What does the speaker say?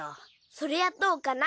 それはどうかな。